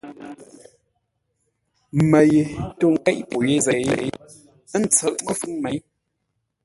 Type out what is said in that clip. Mə́ ye tô ńkéʼ pô yé zêi, ə́ ntsə̌ʼ məfʉ̌ŋ mêi.